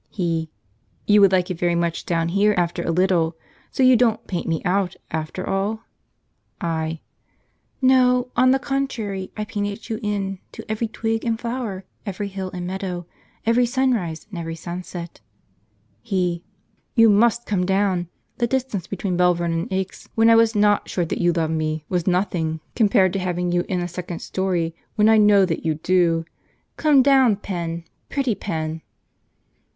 He. "You would like it very much down here, after a little. So you didn't 'paint me out,' after all?" I. "No; on the contrary, I painted you in, to every twig and flower, every hill and meadow, every sunrise and every sunset." He. "You MUST come down! The distance between Belvern and Aix when I was not sure that you loved me was nothing compared to having you in a second story when I know that you do. Come down, Pen! Pretty Pen!"